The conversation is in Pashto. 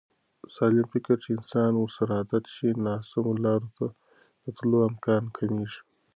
. سالم فکر چې انسان ورسره عادت شي، ناسمو لارو ته د تلو امکان کمېږي.